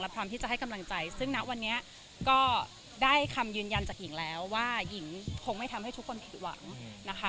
พร้อมที่จะให้กำลังใจซึ่งณวันนี้ก็ได้คำยืนยันจากหญิงแล้วว่าหญิงคงไม่ทำให้ทุกคนผิดหวังนะคะ